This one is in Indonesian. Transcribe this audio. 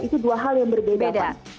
itu dua hal yang berbeda pak